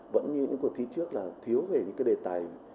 vẫn như những cuộc thi trước là thiếu về những cái đề tài